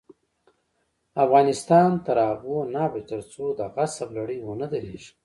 افغانستان تر هغو نه ابادیږي، ترڅو د غصب لړۍ ونه دریږي.